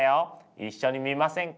一緒に見ませんか？